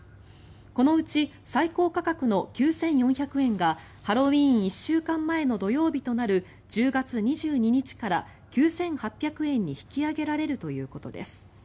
このうち最高価格の９４００円がハロウィーン１週間前の土曜日となる１０月２２日から９８００円に引き上げられるということです。